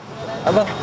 xin chào đồng chí ạ